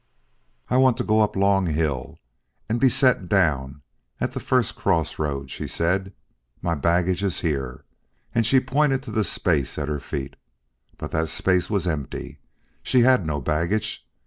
"I want to go up Long Hill and be set down at the first cross road," she said. "My baggage is here." And she pointed to the space at her feet. But that space was empty; she had no baggage.